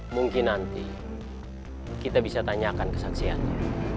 mungkin nanti kita bisa tanyakan kesaksiannya